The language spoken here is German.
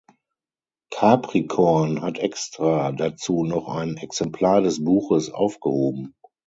Capricorn hat extra dazu noch ein Exemplar des Buches aufgehoben.